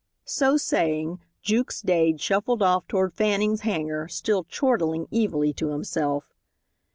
So saying, Jukes Dade shuffled off toward Fanning's hangar, still chortling evilly to himself.